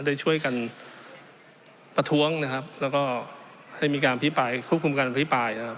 ได้ช่วยกันประท้วงนะครับแล้วก็ให้มีการพิปรายควบคุมการอภิปรายนะครับ